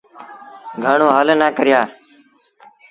گھڻون هل نا ڪريآ۔